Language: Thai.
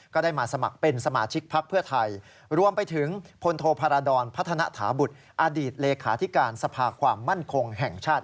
ก็ได้มาสมัครเป็นสมาชิกพักเพื่อไทยรวมไปถึงพลโทพาราดรพัฒนาถาบุตรอดีตเลขาธิการสภาความมั่นคงแห่งชาติ